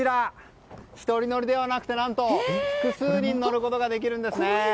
１人乗りではなくて、何と複数人乗ることができるんですね。